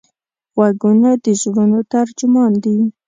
غوږونه د زړونو ترجمان دي